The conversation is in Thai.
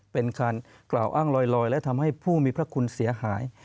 เป็นการกล่าวอ้างลอยและทำให้ผู้มีพระคุณเสียหาย